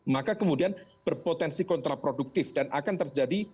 maka kemudian berpotensi kontraproduktif dan akan terjadi